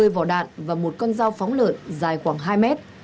một mươi vỏ đạn và một con dao phóng lợn dài khoảng hai mét